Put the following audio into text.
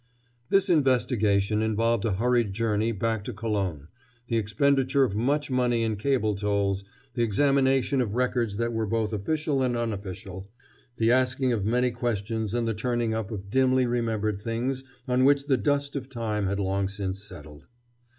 This investigation involved a hurried journey back to Colon, the expenditure of much money in cable tolls, the examination of records that were both official and unofficial, the asking of many questions and the turning up of dimly remembered things on which the dust of time had long since settled.